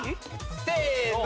せの！